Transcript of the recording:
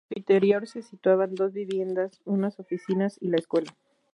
En su interior se situaban dos viviendas, unas oficinas y la escuela.